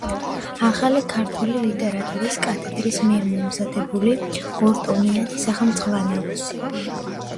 ახალი ქართული ლიტერატურის კათედრის მიერ მომზადებული ორტომიანი სახელმძღვანელოსი.